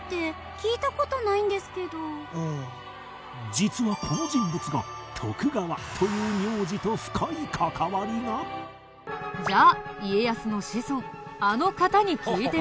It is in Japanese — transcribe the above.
実はこの人物が徳川という名字と深い関わりがじゃあ家康の子孫あの方に聞いてみよう。